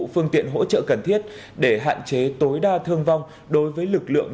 phương tiện hỗ trợ cần thiết để hạn chế tối đa thương vong đối với lực lượng